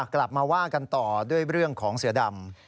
กลับมาว่ากันต่อด้วยเรื่องของเสือดำ